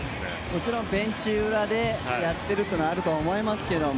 もちろんベンチ裏でやっているというのはあると思いますけど。